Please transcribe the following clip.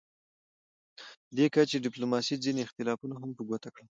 دې کچې ډیپلوماسي ځینې اختلافونه هم په ګوته کړل